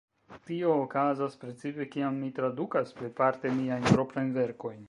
Tio okazas precipe kiam mi tradukas, plejparte miajn proprajn verkojn.